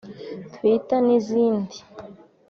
Twitter n’izindi